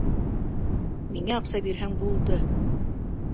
Миңә аҡса бирһәң, булды.